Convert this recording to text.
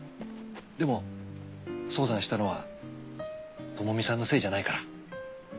でも早産したのは智美さんのせいじゃないから。